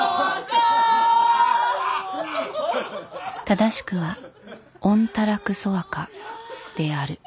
正しくはオンタラクソワカである。